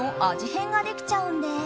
変ができちゃうんです。